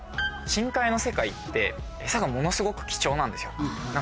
深海の世界ってエサがものすごく貴重なんですよ。